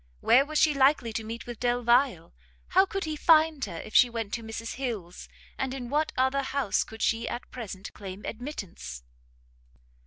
where was she likely to meet with Delvile? how could he find her if she went to Mrs Hill's? and in what other house could she at present claim admittance?